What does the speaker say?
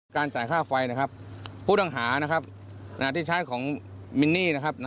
การจ่ายค่าไฟผู้ต้องหาที่ใช้ของมินนี่